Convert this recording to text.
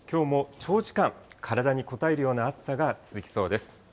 きょうも長時間、体にこたえるような暑さが続きそうです。